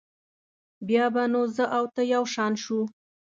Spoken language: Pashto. بیا به نو زه او ته یو شان شو.